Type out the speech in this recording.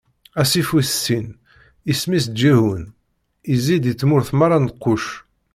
Asif wis sin isem-is Giḥun, izzi-d i tmurt meṛṛa n Kuc.